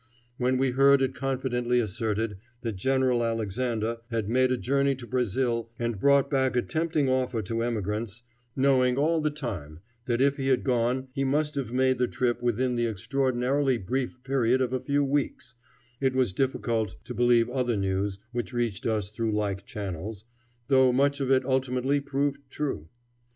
When we heard it confidently asserted that General Alexander had made a journey to Brazil and brought back a tempting offer to emigrants, knowing all the time that if he had gone he must have made the trip within the extraordinarily brief period of a few weeks, it was difficult to believe other news which reached us through like channels, though much of it ultimately proved true.